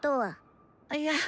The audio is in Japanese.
あいや